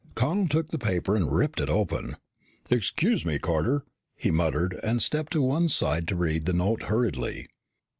Connel took the paper and ripped it open. "Excuse me, Carter," he muttered and stepped to one side to read the note hurriedly.